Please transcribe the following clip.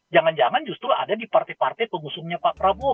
jangan jangan justru ada di partai partai pengusungnya pak prabowo